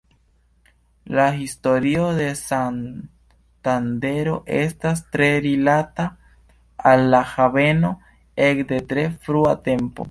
La historio de Santandero estas tre rilata al la haveno ekde tre frua tempo.